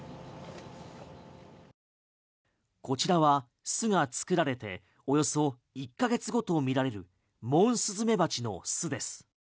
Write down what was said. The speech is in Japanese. こちらは巣が作られておよそ１ヶ月後とみられるモンスズメバチの巣です。